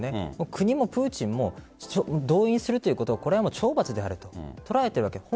国も、プーチンも動員するということは懲罰であると捉えているわけです。